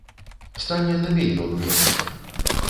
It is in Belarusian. Стане на мільён менш.